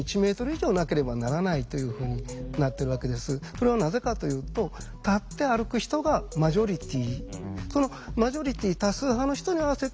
それはなぜかというと立って歩く人がマジョリティー。